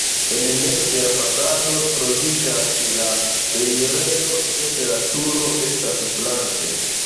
En mezo de la fasado troviĝas la enirejo, sed la turo estas flanke.